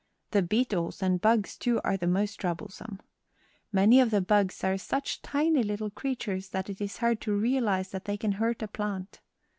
The beetles, and bugs, too, are the most troublesome. Many of the bugs are such tiny little creatures that it is hard to realize that they can hurt a plant.